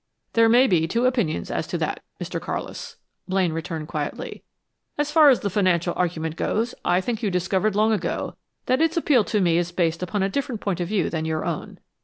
"There may be two opinions as to that, Mr. Carlis," Blaine returned quietly. "As far as the financial argument goes, I think you discovered long ago that its appeal to me is based upon a different point of view than your own.